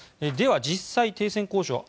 では実際、停戦交渉